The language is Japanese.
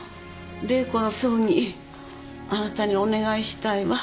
玲子の葬儀あなたにお願いしたいわ。